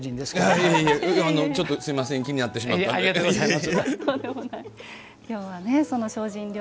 すみません気になってしまったので。